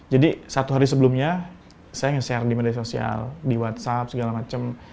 jadi satu hari sebelumnya saya nge share di media sosial di whatsapp segala macem